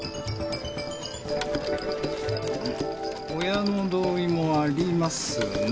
親の同意もありますね。